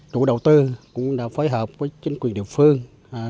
chủ đầu tư cũng đã phối hợp với chính quyền địa phương